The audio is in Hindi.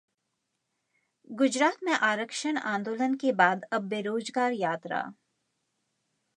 गुजरात में आरक्षण आंदोलन के बाद अब 'बेरोजगार यात्रा'